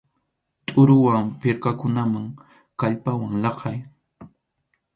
Tʼuruwan pirqakunaman kallpawan laqʼay.